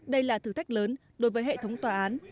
đây là thử thách lớn đối với hệ thống tòa án